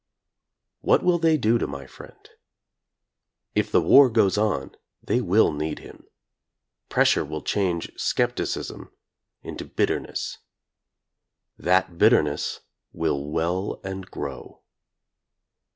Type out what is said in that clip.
What will they do to my friend? If the war goes on they will need him. Pressure will change skepticism into bitterness. That bitterness will well and grow.